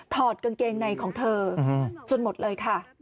อดกางเกงในของเธอจนหมดเลยค่ะ